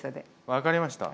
分かりました！